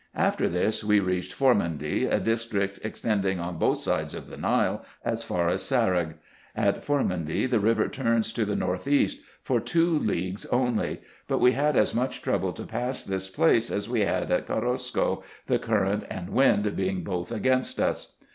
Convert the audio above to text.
After this we reached For mundy, a district extending on both sides of the Nile as far as Saregg. At Formundy the river turns to the north east, for two leagues only ; but we had as much trouble to pass this place as we had at Korosko, the current and wind being both against us.